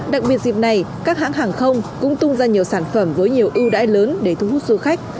đặc biệt dịp này các hãng hàng không cũng tung ra nhiều sản phẩm với nhiều ưu đãi lớn để thu hút du khách